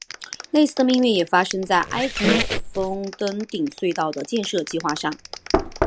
类似的命运也发生在艾格峰登顶隧道的建设计画上。